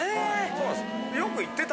そうなんです。